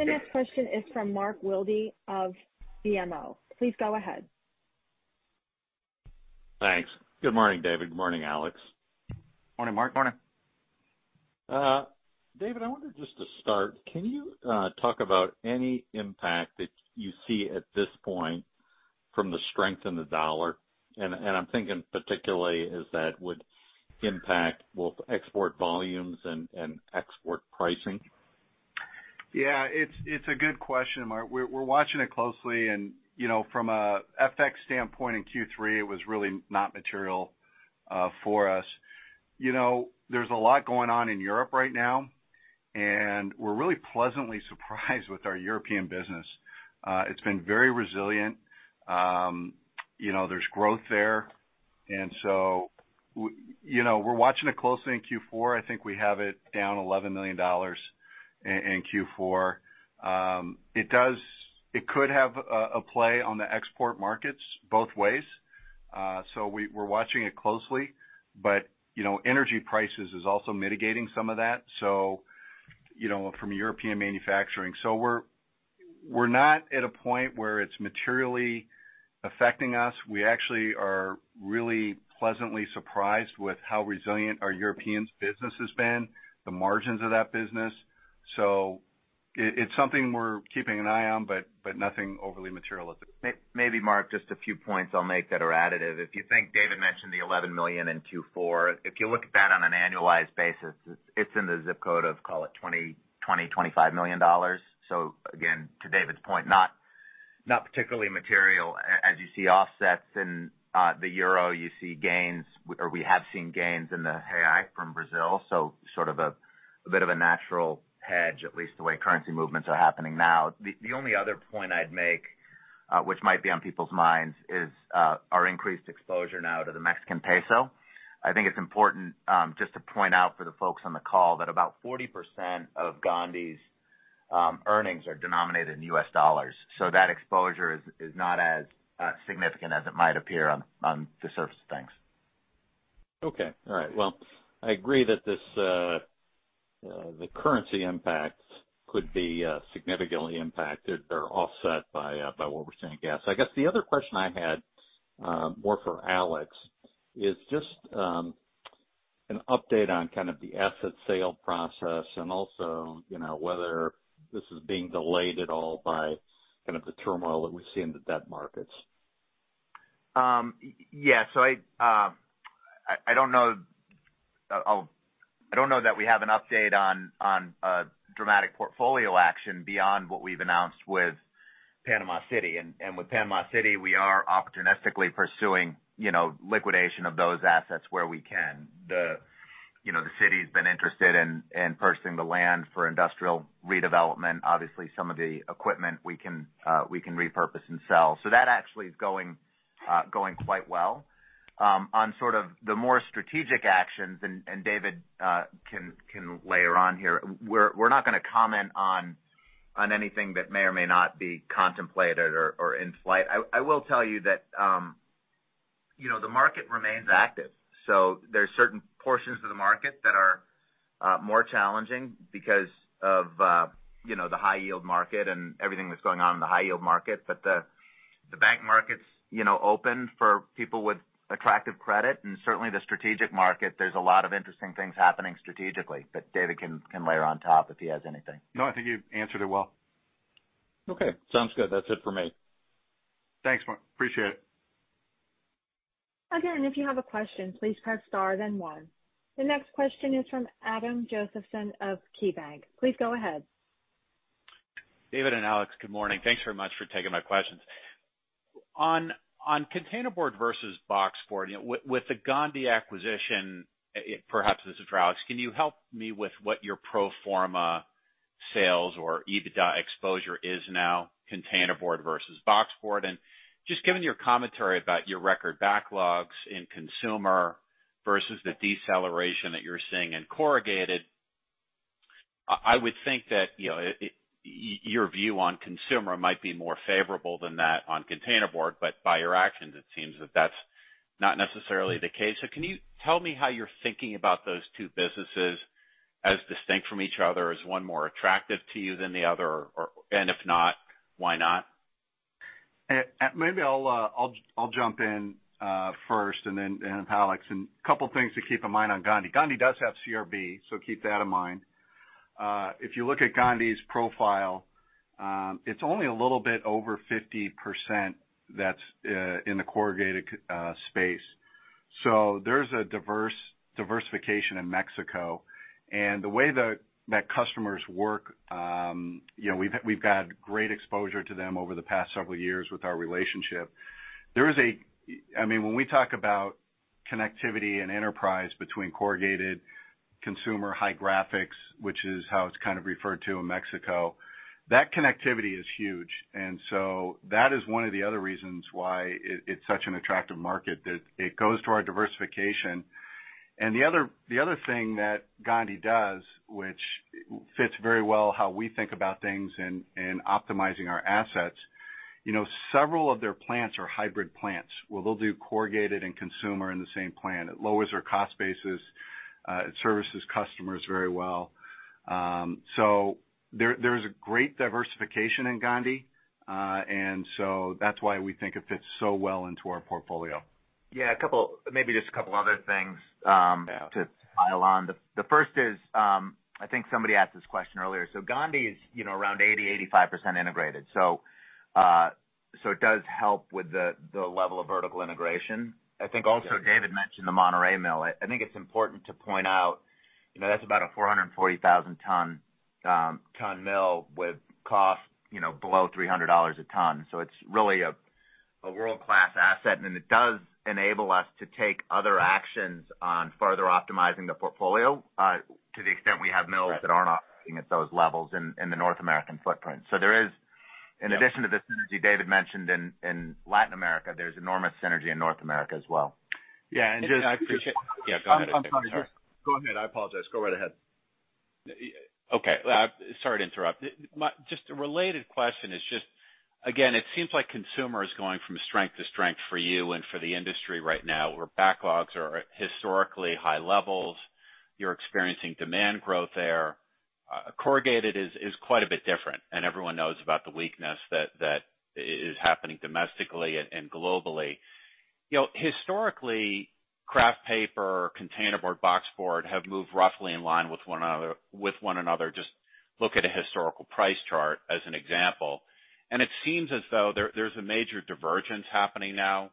The next question is from Mark Wilde of BMO. Please go ahead. Thanks. Good morning, David. Good morning, Alex. Morning, Mark. Morning. David, I wonder, just to start, can you talk about any impact that you see at this point from the strength in the dollar? I'm thinking particularly as that would impact both export volumes and export pricing. Yeah, it's a good question, Mark. We're watching it closely, and you know, from a FX standpoint in Q3, it was really not material for us. You know, there's a lot going on in Europe right now, and we're really pleasantly surprised with our European business. It's been very resilient. You know, there's growth there. You know, we're watching it closely in Q4. I think we have it down $11 million in Q4. It could have a play on the export markets both ways. We're watching it closely. You know, energy prices is also mitigating some of that, you know, from European manufacturing. We're not at a point where it's materially affecting us. We actually are really pleasantly surprised with how resilient our European business has been, the margins of that business. It's something we're keeping an eye on, but nothing overly materialistic. Maybe Mark, just a few points I'll make that are additive. If you think David mentioned the $11 million in Q4, if you look at that on an annualized basis, it's in the zip code of, call it $20 million-$25 million. So again, to David's point, not particularly material. As you see offsets in the euro, you see gains or we have seen gains in the BRL from Brazil. So sort of a bit of a natural hedge, at least the way currency movements are happening now. The only other point I'd make, which might be on people's minds, is our increased exposure now to the Mexican peso. I think it's important, just to point out for the folks on the call that about 40% of Gondi's earnings are denominated in U.S. dollars. That exposure is not as significant as it might appear on the surface of things. Okay. All right. Well, I agree that this, the currency impacts could be significantly impacted or offset by what we're seeing in gas. I guess the other question I had, more for Alex, is just an update on kind of the asset sale process and also, you know, whether this is being delayed at all by kind of the turmoil that we see in the debt markets? Yes. So I don't know that we have an update on dramatic portfolio action beyond what we've announced with Panama City. With Panama City, we are opportunistically pursuing, you know, liquidation of those assets where we can. The you know, the city's been interested in purchasing the land for industrial redevelopment. Obviously, some of the equipment we can repurpose and sell. That actually is going quite well. On sort of the more strategic actions, and David can layer on here, we're not gonna comment on anything that may or may not be contemplated or in flight. I will tell you that, you know, the market remains active, so there are certain portions of the market that are more challenging because of, you know, the high yield market and everything that's going on in the high yield market. The bank market's, you know, open for people with attractive credit and certainly the strategic market. There's a lot of interesting things happening strategically. David can layer on top if he has anything. No, I think you answered it well. Okay. Sounds good. That's it for me. Thanks, Mark. Appreciate it. Again, if you have a question, please press star then one. The next question is from Adam Josephson of KeyBanc. Please go ahead. David and Alex, good morning. Thanks very much for taking my questions. On containerboard versus boxboard, you know, with the Gondi acquisition, perhaps this is for Alex, can you help me with what your pro forma sales or EBITDA exposure is now, containerboard versus boxboard? Just given your commentary about your record backlogs in consumer versus the deceleration that you're seeing in corrugated, I would thin that, you know, your view on consumer might be more favorable than that on containerboard, but by your actions, it seems that that's not necessarily the case. Can you tell me how you're thinking about those two businesses as distinct from each other? Is one more attractive to you than the other or? If not, why not? Maybe I'll jump in first and then Alex. Couple things to keep in mind on Gondi. Gondi does have CRB, so keep that in mind. If you look at Gondi's profile, it's only a little bit over 50% that's in the corrugated space. So there's a diversification in Mexico. The way the customers work, you know, we've had great exposure to them over the past several years with our relationship. I mean, when we talk about connectivity and enterprise between corrugated consumer high graphics, which is how it's kind of referred to in Mexico, that connectivity is huge. That is one of the other reasons why it's such an attractive market, that it goes to our diversification. The other thing that Gondi does, which fits very well how we think about things in optimizing our assets, you know, several of their plants are hybrid plants, where they'll do corrugated and consumer in the same plant. It lowers their cost basis. It services customers very well. There's a great diversification in Gondi. That's why we think it fits so well into our portfolio. Yeah, maybe just a couple other things. Yeah To pile on. The first is, I think somebody asked this question earlier. Gondi is, you know, around 85% integrated. It does help with the level of vertical integration. I think also David mentioned the Monterrey mill. I think it's important to point out, you know, that's about a 400,000-ton mill with costs, you know, below $300 a ton. It's really a world-class asset, and it does enable us to take other actions on further optimizing the portfolio, to the extent we have mills that aren't operating at those levels in the North American footprint. There is, in addition to the synergy David mentioned in Latin America, enormous synergy in North America as well. Yeah. Yeah, I appreciate. Yeah, go ahead. I'm sorry. Go ahead. I apologize. Go right ahead. Sorry to interrupt. Just a related question is just, again, it seems like consumer is going from strength to strength for you and for the industry right now, where backlogs are at historically high levels. You're experiencing demand growth there. Corrugated is quite a bit different, and everyone knows about the weakness that is happening domestically and globally. You know, historically, Kraft Paper, containerboard, boxboard have moved roughly in line with one another, just look at a historical price chart as an example. It seems as though there's a major divergence happening now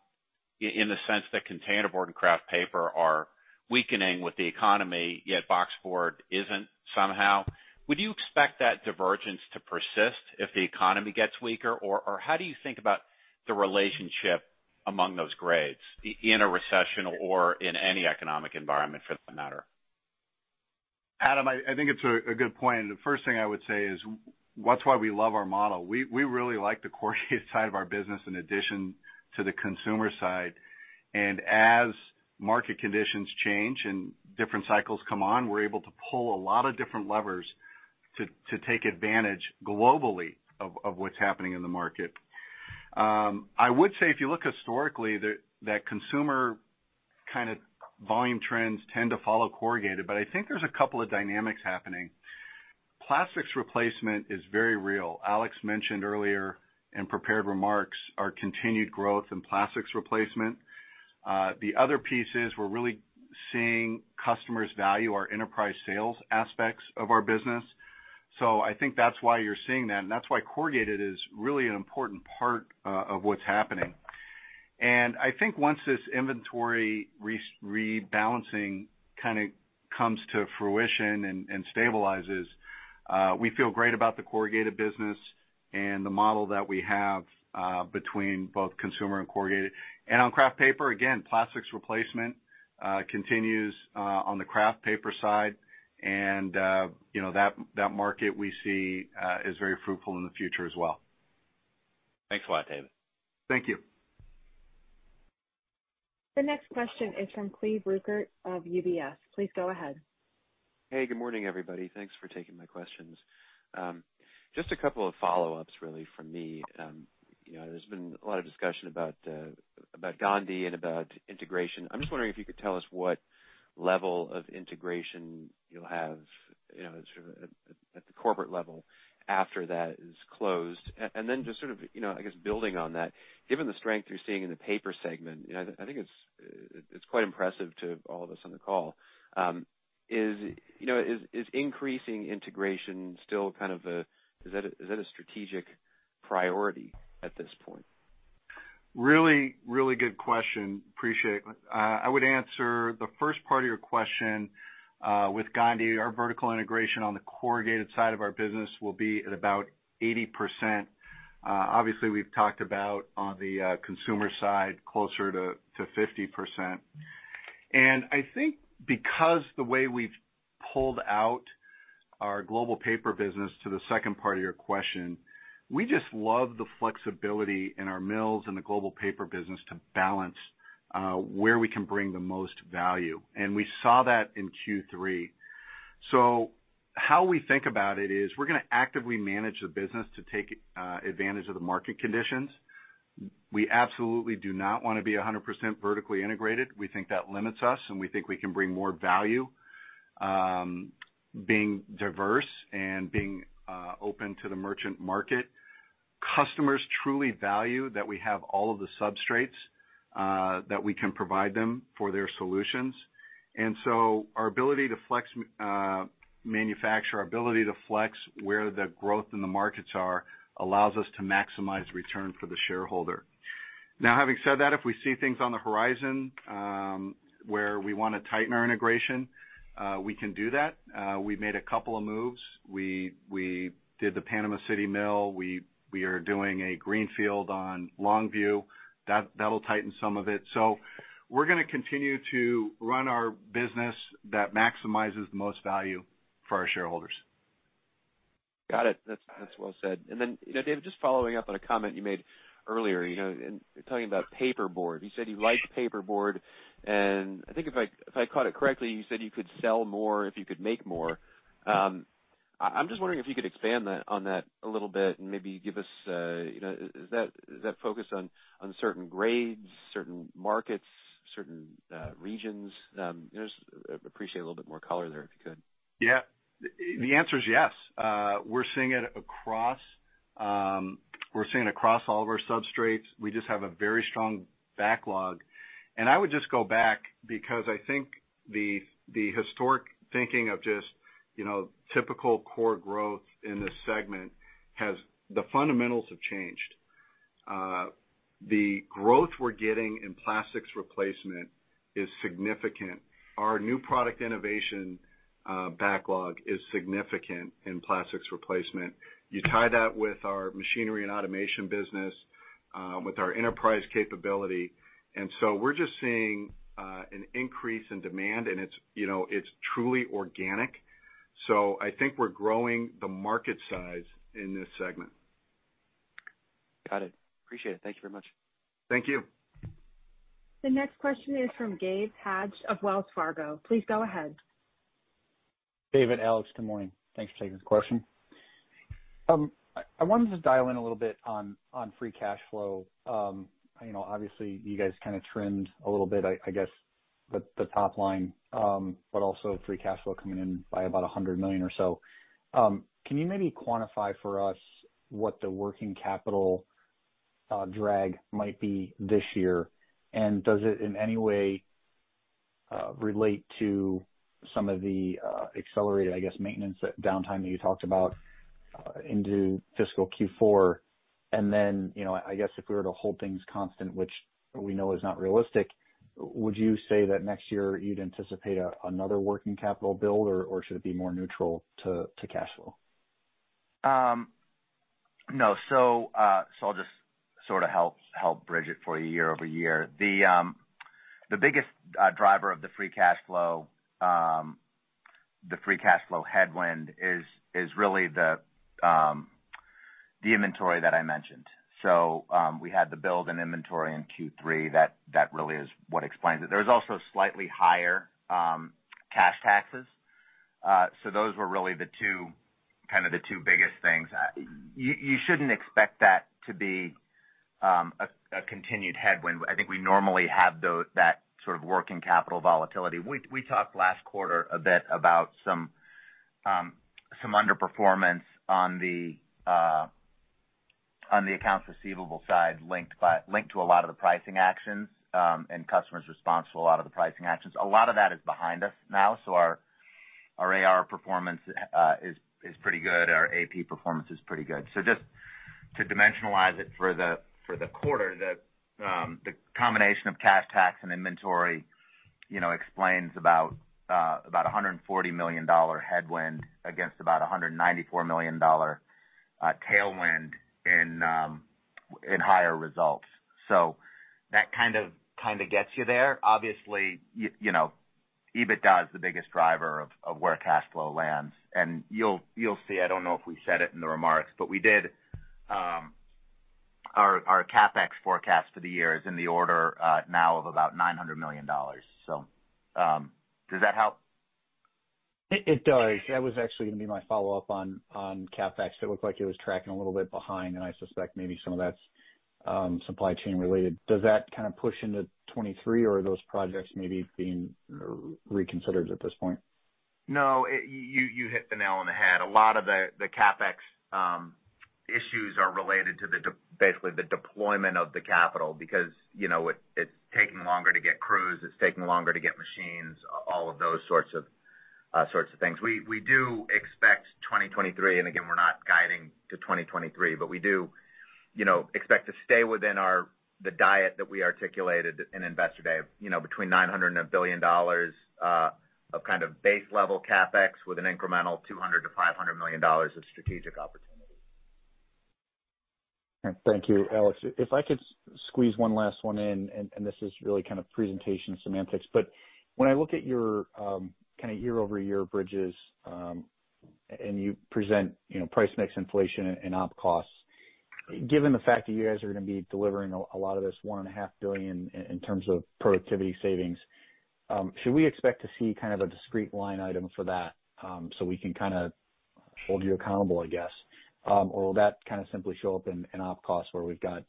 in the sense that containerboard and Kraft Paper are weakening with the economy, yet boxboard isn't somehow. Would you expect that divergence to persist if the economy gets weaker? How do you think about the relationship among those grades in a recession or in any economic environment for that matter? Adam, I think it's a good point. The first thing I would say is that's why we love our model. We really like the corrugated side of our business in addition to the consumer side. As market conditions change and different cycles come on, we're able to pull a lot of different levers to take advantage globally of what's happening in the market. I would say if you look historically, that consumer kind of volume trends tend to follow corrugated, but I think there's a couple of dynamics happening. Plastics replacement is very real. Alex mentioned earlier in prepared remarks our continued growth in plastics replacement. The other piece is we're really seeing customers value our enterprise sales aspects of our business. I think that's why you're seeing that, and that's why corrugated is really an important part of what's happening. I think once this inventory rebalancing kind of comes to fruition and stabilizes, we feel great about the corrugated business and the model that we have between both consumer and corrugated. On Kraft Paper, again, plastics replacement continues on the Kraft Paper side, and you know, that market we see is very fruitful in the future as well. Thanks a lot, David. Thank you. The next question is from Cleve Rueckert of UBS. Please go ahead. Hey, good morning, everybody. Thanks for taking my questions. Just a couple of follow-ups really from me. You know, there's been a lot of discussion about Gondi and about integration. I'm just wondering if you could tell us what level of integration you'll have, you know, sort of at the corporate level after that is closed. And then just sort of, you know, I guess building on that, given the strength you're seeing in the Paper segment, you know, I think it's quite impressive to all of us on the call. Is increasing integration still kind of a strategic priority at this point? Really, really good question. Appreciate it. I would answer the first part of your question with Gondi. Our vertical integration on the corrugated side of our business will be at about 80%. Obviously, we've talked about on the consumer side, closer to 50%. I think because the way we've pulled out our Global Paper business to the second part of your question, we just love the flexibility in our mills and the Global Paper business to balance where we can bring the most value. We saw that in Q3. How we think about it is we're gonna actively manage the business to take advantage of the market conditions. We absolutely do not wanna be 100% vertically integrated. We think that limits us, and we think we can bring more value, being diverse and being open to the merchant market. Customers truly value that we have all of the substrates that we can provide them for their solutions. Our ability to manufacture, our ability to flex where the growth in the markets are, allows us to maximize return for the shareholder. Now, having said that, if we see things on the horizon, where we wanna tighten our integration, we can do that. We've made a couple of moves. We did the Panama City mill. We are doing a greenfield on Longview. That'll tighten some of it. We're gonna continue to run our business that maximizes the most value for our shareholders. Got it. That's well said. Then, you know, David, just following up on a comment you made earlier, you know, in telling about paperboard. You said you liked paperboard, and I think if I caught it correctly, you said you could sell more if you could make more. I'm just wondering if you could expand on that a little bit and maybe give us, you know, is that focused on certain grades, certain markets, certain regions. I just appreciate a little bit more color there if you could. Yeah. The answer is yes. We're seeing it across all of our substrates. We just have a very strong backlog. I would just go back because I think the historic thinking of you know typical core growth in this segment has changed. The fundamentals have changed. The growth we're getting in plastics replacement is significant. Our new product innovation backlog is significant in plastics replacement. You tie that with our Machinery and Automation business with our enterprise capability. We're just seeing an increase in demand, and it's you know it's truly organic. I think we're growing the market size in this segment. Got it. Appreciate it. Thank you very much. Thank you. The next question is from Gabe Hajde of Wells Fargo. Please go ahead. David, Alex, good morning. Thanks for taking this question. I wanted to dial in a little bit on free cash flow. You know, obviously you guys kind of trimmed a little bit, I guess, the top line, but also free cash flow coming in by about $100 million or so. Can you maybe quantify for us what the working capital drag might be this year? And does it, in any way, relate to some of the accelerated, I guess, maintenance downtime that you talked about into fiscal Q4? And then, you know, I guess if we were to hold things constant, which we know is not realistic, would you say that next year you'd anticipate another working capital build, or should it be more neutral to cash flow? No. I'll just sort of help bridge it for you year over year. The biggest driver of the free cash flow, the free cash flow headwind is really the inventory that I mentioned. We had to build an inventory in Q3. That really is what explains it. There was also slightly higher cash taxes. Those were really the two, kind of the two biggest things. You shouldn't expect that to be a continued headwind. I think we normally have that sort of working capital volatility. We talked last quarter a bit about some underperformance on the accounts receivable side linked to a lot of the pricing actions, and customers' response to a lot of the pricing actions. A lot of that is behind us now, so our AR performance is pretty good. Our AP performance is pretty good. Just to dimensionalize it for the quarter, the combination of cash tax and inventory, you know, explains about $140 million headwind against about $194 million tailwind in higher results. That kind of gets you there. Obviously, you know, EBITDA is the biggest driver of where cash flow lands. You'll see, I don't know if we said it in the remarks, but we did, our CapEx forecast for the year is in the order now of about $900 million. Does that help? It does. That was actually gonna be my follow-up on CapEx. It looked like it was tracking a little bit behind, and I suspect maybe some of that's supply chain related. Does that kind of push into 2023, or are those projects maybe being reconsidered at this point? No. You hit the nail on the head. A lot of the CapEx issues are related to basically the deployment of the capital because, you know, it's taking longer to get crews, it's taking longer to get machines, all of those sorts of things. We do expect 2023, and again, we're not guiding to 2023, but we do, you know, expect to stay within our, the diet that we articulated in Investor Day of, you know, between $900 million and $1 billion of kind of base level CapEx with an incremental $200 million-$500 million of strategic opportunities. Thank you. Alex, if I could squeeze one last one in, this is really kind of presentation semantics, but when I look at your kind of year-over-year bridges, and you present, you know, price mix inflation and op costs, given the fact that you guys are gonna be delivering a lot of this $1.5 billion in terms of productivity savings, should we expect to see kind of a discrete line item for that, so we can kind of hold you accountable, I guess? Or will that kind of simply show up in op costs where we've got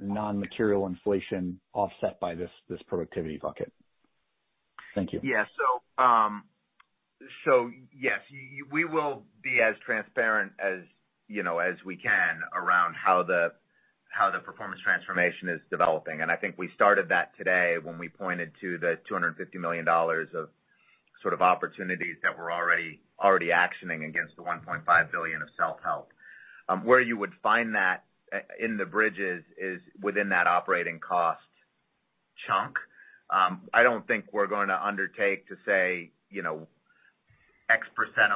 non-material inflation offset by this productivity bucket? Thank you. Yeah. We will be as transparent as, you know, as we can around how the performance transformation is developing. I think we started that today when we pointed to the $250 million of sort of opportunities that we're already actioning against the $1.5 billion of self-help. Where you would find that in the bridges is within that operating cost chunk. I don't think we're gonna undertake to say, you know, X%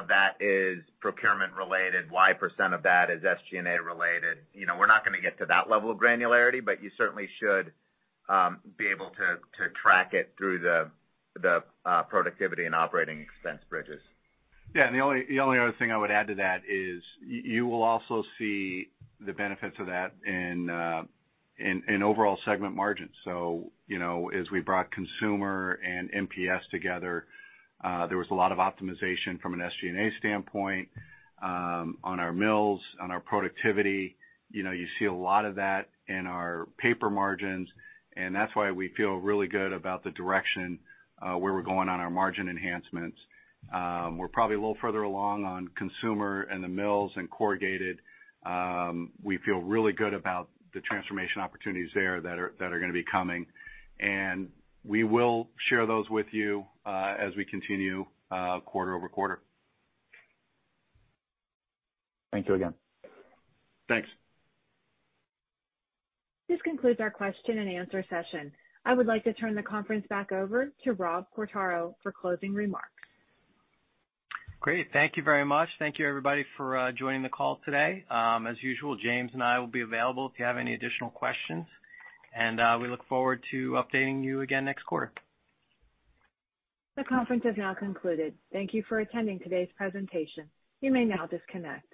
of that is procurement related, Y% of that is SG&A related. You know, we're not gonna get to that level of granularity, but you certainly should be able to track it through the productivity and operating expense bridges. Yeah. The only other thing I would add to that is you will also see the benefits of that in overall segment margins. You know, as we brought consumer and MPS together, there was a lot of optimization from an SG&A standpoint on our mills, on our productivity. You know, you see a lot of that in our paper margins, and that's why we feel really good about the direction where we're going on our margin enhancements. We're probably a little further along on consumer and the mills and corrugated. We feel really good about the transformation opportunities there that are gonna be coming, and we will share those with you as we continue quarter-over-quarter. Thank you again. Thanks. This concludes our question and answer session. I would like to turn the conference back over to Robert Quartaro for closing remarks. Great. Thank you very much. Thank you everybody for joining the call today. As usual, James and I will be available if you have any additional questions, and we look forward to updating you again next quarter. The conference has now concluded. Thank you for attending today's presentation. You may now disconnect.